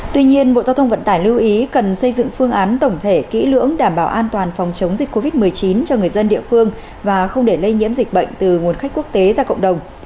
tuy nhiên bộ giao thông vận tải lưu ý cần xây dựng phương án tổng thể kỹ lưỡng đảm bảo an toàn phòng chống dịch covid một mươi chín cho người dân địa phương và không để lây nhiễm dịch bệnh từ nguồn khách quốc tế ra cộng đồng